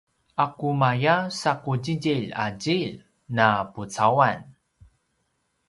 aqumaya sa qudjidjilj a djilj na pucauan?